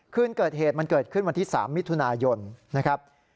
คืนเกิดเหตุมันเกิดขึ้นวันที่๓มิถุนายนนะครับ